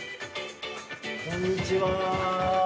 こんにちは。